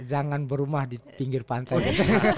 jangan berumah di pinggir pantai dong